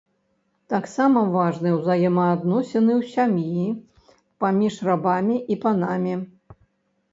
Таксама важны ўзаемаадносіны ў сям'і, паміж рабамі і панамі.